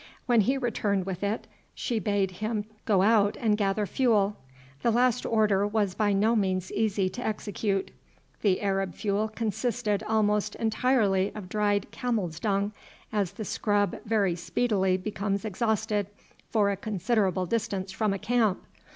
When he returned with it she bade him go out and gather fuel. The last order was by no means easy to execute. The Arab fuel consisted almost entirely of dried camels' dung, as the scrub very speedily becomes exhausted for a considerable distance from a camp.